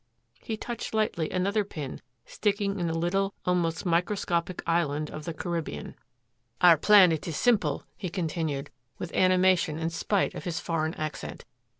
He touched lightly another pin sticking in a little, almost microscopic island of the Caribbean. "Our plan, it is simple," he continued with animation in spite of his foreign accent.